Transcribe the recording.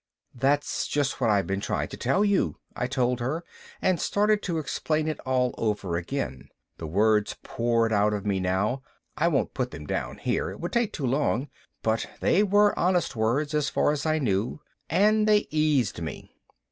"That's just what I've been trying to tell you," I told her and started to explain it all over again the words poured out of me now. I won't put them down here it would take too long but they were honest words as far as I knew and they eased me.